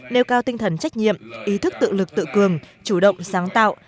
nêu cao tinh thần trách nhiệm ý thức tự lực tự cường chủ động sáng tạo